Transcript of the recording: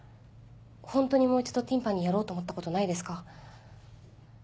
ホントにもう一度ティンパニやろうと思ったことないですか？